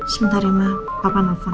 sebentar ima papa nelfon